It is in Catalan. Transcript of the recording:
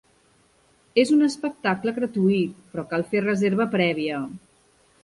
És un espectacle gratuït, però cal fer reserva prèvia.